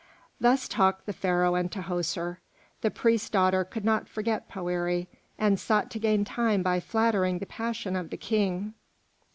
Thus talked the Pharaoh and Tahoser. The priest's daughter could not forget Poëri, and sought to gain time by flattering the passion of the King.